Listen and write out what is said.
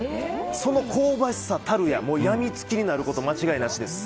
その香ばしさたるやもう病みつきになること間違いなしです。